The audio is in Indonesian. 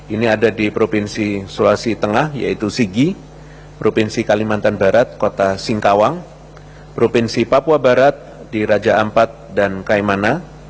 ini ada di provinsi sulawesi tengah yaitu sigi provinsi kalimantan barat kota singkawang provinsi papua barat di raja ampat dan kaimana